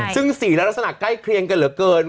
ซึ่งสีและลักษณะใกล้เคียงกันเหลือเกิน